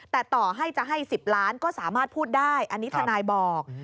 แต่ต่อให้จะให้๑๐ล้านก็สามารถพูดได้อันนี้ทนายบอก